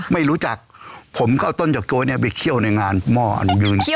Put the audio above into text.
ไม่รู้จักผมก็เอาต้นเฉาก๊วยเนี่ยไปเคี่ยวในงานม่อนยืนเคี่ยว